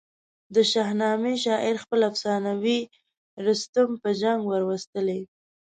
د شاهنامې شاعر خپل افسانوي رستم په جنګ وروستلی.